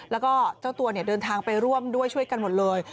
แล้วก็เจ้าตัวเดินทางไปร่วมด้วยช่วยกันหมดเลย